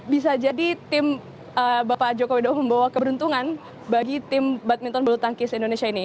bisa jadi tim bapak joko widodo membawa keberuntungan bagi tim badminton bulu tangkis indonesia ini